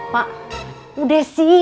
pak udah sih